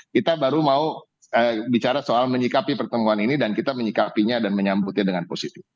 kita baru mau bicara soal menyikapi pertemuan ini dan kita menyikapinya dan menyambutnya dengan positif